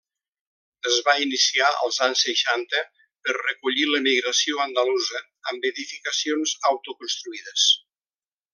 Es va iniciar als anys seixanta per recollir l'emigració andalusa amb edificacions auto construïdes.